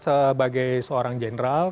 sebagai seorang general